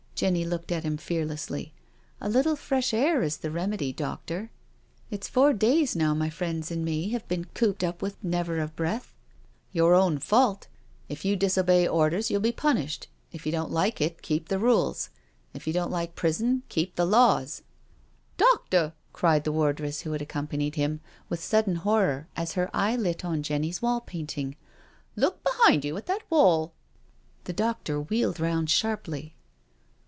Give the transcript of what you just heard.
Jenny looked at him fearlessly. " A little fresh air is the remedy, doctor. It's four 26o NO SURRENDER days now my friends and me have been cooped up with never a breath. " Your own fault. If you disobey rules, you'll be punished— if you don't like it, keep the rules. If you don't like prison, keep the laws "" Doctor 1 " cried the wardress who had accompanied him, with sudden horror, as her eye lit on Jenny's wall painting. " Look behind you at that wall." The doctor wheeled round sharply.